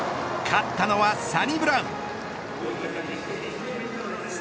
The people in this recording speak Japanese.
勝ったのはサニブラウン。